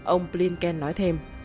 ông blinken nói thêm